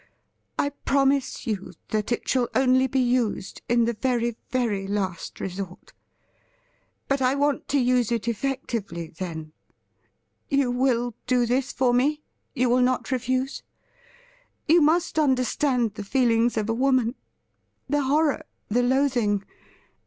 I promise you that it shall only be used in the very, very last resort ; but I want to use it effectively then. You will do this for me — you will not refuse? You must understand the feelings of a woman — ^the horror, the loathing